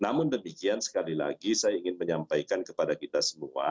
namun demikian sekali lagi saya ingin menyampaikan kepada kita semua